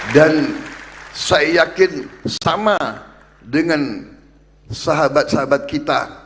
dan saya yakin sama dengan sahabat sahabat kita